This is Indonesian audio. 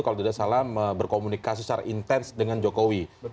kalau tidak salah berkomunikasi secara intens dengan jokowi